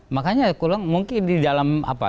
makanya kurang mungkin di dalam apa